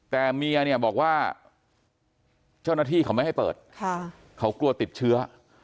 แต่เมียเนี่ยบอกว่าเจ้าหน้าที่เขาไม่ให้เปิดเขากลัวติดเชื้อ